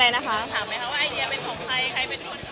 ถามไหมคะว่าไอเดียเป็นของใครใครเป็นคน